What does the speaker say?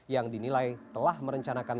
yang dinilai telah merencanakan